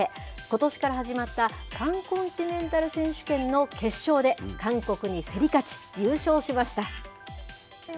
ことしから始まったパンコンチネンタル選手権の決勝で、韓国に競り勝ち、優勝しました。